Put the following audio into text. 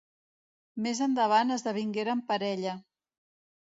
Més endavant esdevingueren parella.